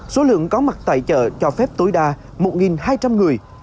số lượng có mặt tại chợ cho phép tối đa một hai trăm linh người